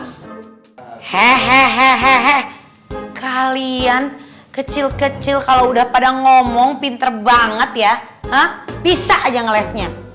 hehehe kalian kecil kecil kalau udah pada ngomong pinter banget ya bisa aja ngelesnya